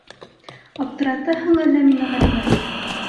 Аптыратаһың әле мине, Ғәлимә?